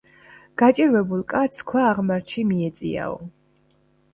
გაჭირვებულ კაცს ქვა აღმართში მიეწიაო